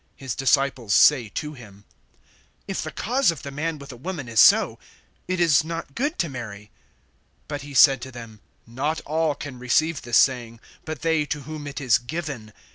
(10)His disciples say to him: If the case of the man with the woman is so, it is not good to marry. (11)But he said to them: Not all can receive this saying, but they to whom it is given.